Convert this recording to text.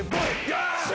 よっしゃ！